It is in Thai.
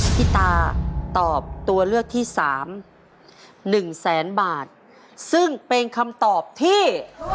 พี่ตาตอบตัวเลือกที่สามหนึ่งแสนบาทซึ่งเป็นคำตอบที่